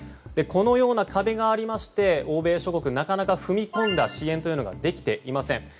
このような壁がありまして欧米諸国は、なかなか踏み込んだ支援ができていません。